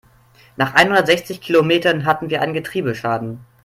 Nach einhundertsechzig Kilometern hatten wir einen Getriebeschaden.